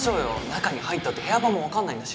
中に入ったって部屋番もわかんないんだし。